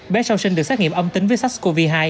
bé sau sinh được xét nghiệm âm tính với sars cov hai